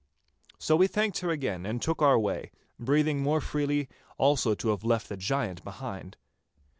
So we thanked her again and took our way, breathing more freely also to have left the giant behind.